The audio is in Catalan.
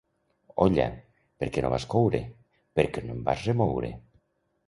Olla, per què no vas coure? —Perquè no em vas remoure.